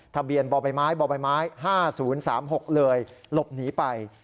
ทะเบียนบ่อใบไม้๕๐๓๖เลยหลบหนีไป